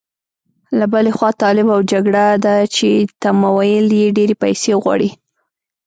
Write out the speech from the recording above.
له بلې خوا طالب او جګړه ده چې تمویل یې ډېرې پيسې غواړي.